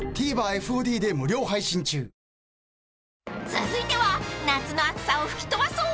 ［続いては夏の暑さを吹き飛ばそう！］